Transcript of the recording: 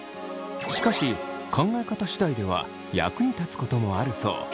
しかし考え方次第では役に立つこともあるそう。